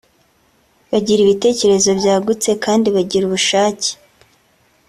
bagira ibitekerezo byagutse kandi bagira ubushake